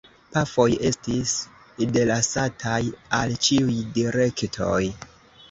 Pafoj estis delasataj al ĉiuj direktoj.